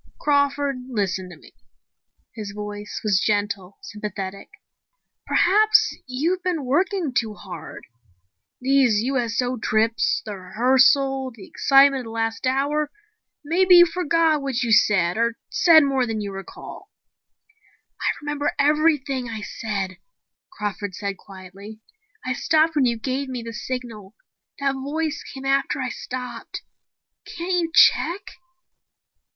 "Crawford, listen to me." His voice was gentle, sympathetic. "Perhaps you've been working too hard. These USO trips, the rehearsal, the excitement of the last hour. Maybe you forgot what you said, or said more than you recall." "I remember everything I said," Crawford said quietly. "I stopped when you gave me the signal. That voice came after I stopped. Can't you check